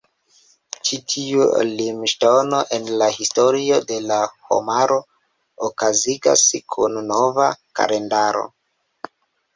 Ĉi tiu limŝtono en la historio de la homaro okazigas kun nova kalendaro.